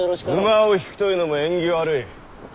馬を引くというのも縁起が悪い。